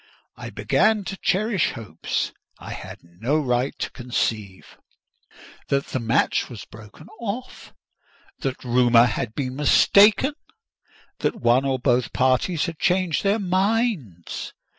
I began to cherish hopes I had no right to conceive: that the match was broken off; that rumour had been mistaken; that one or both parties had changed their minds.